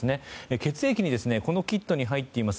血液にこのキットに入っています